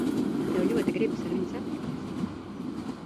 Tev ļoti gribas ar viņu satikties.